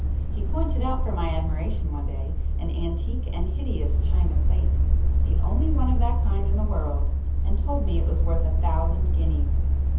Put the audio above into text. He pointed out for my admiration one day, an antique and hideous china plate, the only one of that kind in the world, and told me it was worth a thousand guineas.